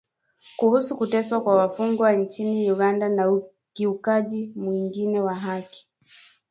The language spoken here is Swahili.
kuhusu kuteswa kwa wafungwa nchini Uganda na ukiukwaji mwingine wa haki